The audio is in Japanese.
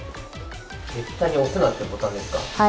絶対に押すなってボタンですか？